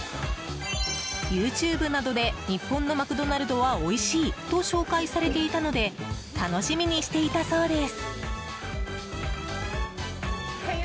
ＹｏｕＴｕｂｅなどで日本のマクドナルドはおいしいと紹介されていたので楽しみにしていたそうです。